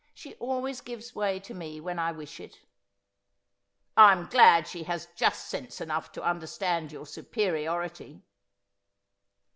She always gives way to me when I wish it.' ' I am glad she has just sense enough to understand your superiority.'